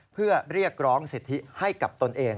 เพื่อเรียกร้องสิทธิให้กับตนเอง